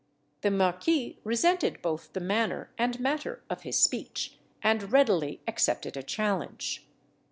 The Marquis resented both the manner and matter of his speech, and readily accepted a challenge.